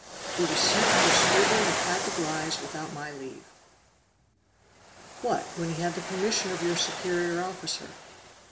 "He was sent for scribbling a pack of lies without my leave." "What! when he had the permission of your superior officer."